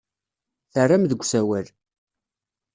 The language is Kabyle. Terram deg usawal.